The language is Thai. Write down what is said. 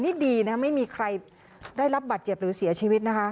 นี่ดีนะไม่มีใครได้รับบัตรเจ็บหรือเสียชีวิตนะคะ